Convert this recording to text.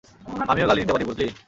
আমিও গালি দিতে পারি বুঝলি!